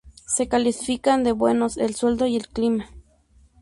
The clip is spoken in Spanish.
Se califican de buenos el suelo y el clima.